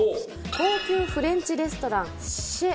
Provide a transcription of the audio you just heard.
高級フレンチレストランシェ